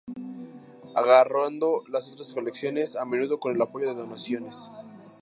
Agrandó las otras colecciones, a menudo con el apoyo de donaciones.